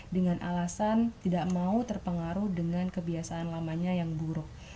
dengan alasan tidak mau terpengaruh dengan kebiasaan lamanya yang buruk